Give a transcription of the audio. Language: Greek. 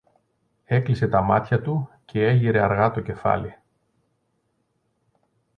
Έκλεισε τα μάτια του κι έγειρε αργά το κεφάλι.